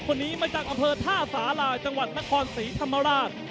คนนี้มาจากอำเภอท่าสาราจังหวัดนครศรีธรรมราช